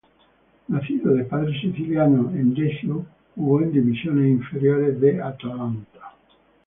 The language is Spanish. Nacido de padres sicilianos en Desio, jugó en divisiones inferiores del Atalanta.